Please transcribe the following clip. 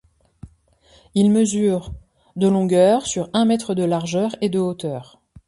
Il mesure de longueur sur un mètre de largeur, et de hauteur.